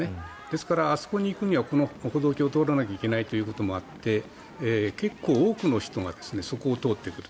ですから、あそこに行くにはこの歩道橋を通らないといけないということもあって結構多くの人がそこを通ってくる。